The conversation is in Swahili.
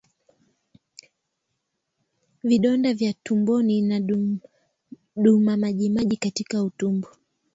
Vidonda vya tumboni na damumajimaji katika utumbo